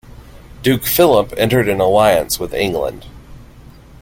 Duke Philip entered an alliance with England.